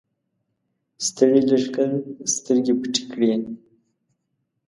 ستړي لښکر سترګې پټې کړې.